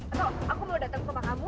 atau aku mau datang ke rumah kamu